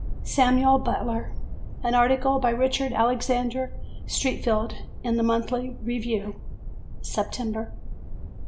"Samuel Butler," an article by Richard Alexander Streatfeild in the Monthly Review (September).